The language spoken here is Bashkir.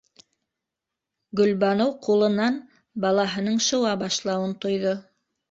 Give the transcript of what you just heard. - Гөлбаныу ҡулынан балаһының шыуа башлауын тойҙо.